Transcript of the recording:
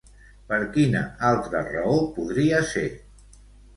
Per quina altra raó podria ser?